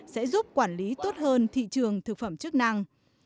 sẽ giúp quản lý tốt hơn thị trường thực phẩm chức năng